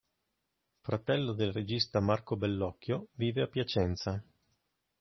Fratello del regista Marco Bellocchio, vive a Piacenza.